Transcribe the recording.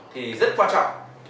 thì rất quan trọng